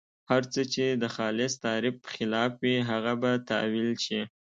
هر څه چې د خالص تعریف خلاف وي هغه به تاویل شي.